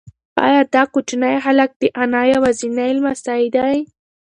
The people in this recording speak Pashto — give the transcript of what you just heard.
ایا دا کوچنی هلک د انا یوازینی لمسی دی؟